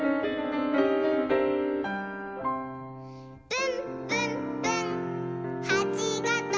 「ぶんぶんぶんはちがとぶ」